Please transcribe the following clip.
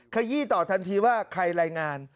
ขยี้ต่อทันทีว่าใครรายงาน